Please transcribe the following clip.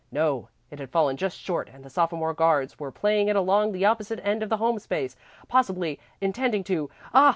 No, it had fallen just short and the sophomore guards were playing it along to the opposite end of the home space, possibly intending to Ah!